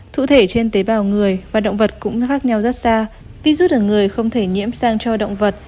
cụ thể trên tế bào người và động vật cũng khác nhau rất xa virus ở người không thể nhiễm sang cho động vật